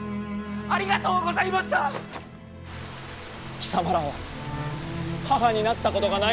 貴様らは母になったことがないのか？